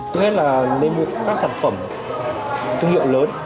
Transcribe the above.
thứ nhất là nên mua các sản phẩm thương hiệu lớn